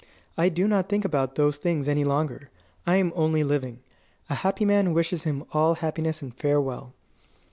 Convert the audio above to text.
I do not think about those things any longer. I am only living. A happy man wishes him all happiness and farewell."